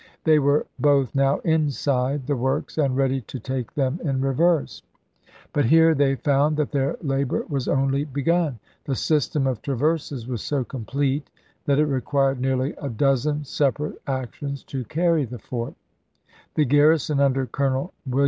They were both now inside the works and ready to take them in reverse; but here they found that their labor was only be gun. The system of traverses was so complete SpSl that it required nearly a dozen separate actions to ' rIcom0'? carry the fort. The garrison under Colonel Will p/429."